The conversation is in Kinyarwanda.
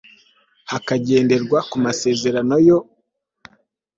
hakagenderwa ku masezerano yo